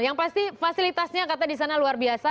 yang pasti fasilitasnya kata di sana luar biasa